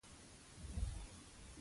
چرګان د انساني ژوند یوه برخه ګرځېدلي دي.